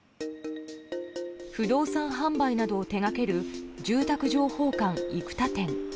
不動産販売などを手掛ける住宅情報館生田店。